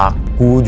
aku mau ke rumah